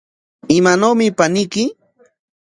¿Imananmi paniyki?